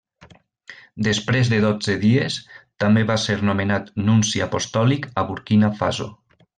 Després de dotze dies, també va ser nomenat nunci apostòlic a Burkina Faso.